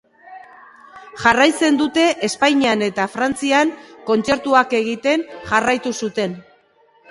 Jarraitzen dute Espainian eta Frantzian kontzertuak egiten jarraitu zuten.